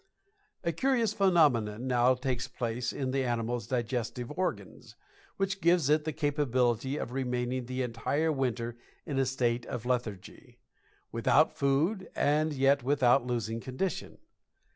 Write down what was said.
A curious phenomenon now takes place in the animal's digestive organs, which gives it the capability of remaining the entire winter in a state of lethargy, without food and yet without losing condition.